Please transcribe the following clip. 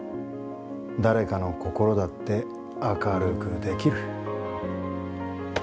誰かの心だって明るくできる。